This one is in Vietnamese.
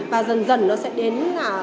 và dần dần nó sẽ đến